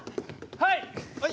はい！